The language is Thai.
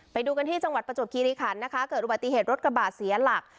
ไปดูกันที่จังหวัดประจวบคิริขันนะคะเกิดอุบัติเหตุรถกระบาดเสียหลัก